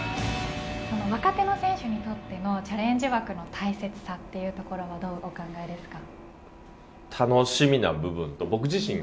若手の選手にとってのチャレンジ枠の大切さというところはどうお考えですか。